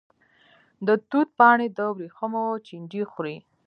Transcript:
د توت پاڼې د وریښمو چینجی خوري.